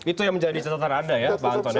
itu yang menjadi catatan anda ya pak antun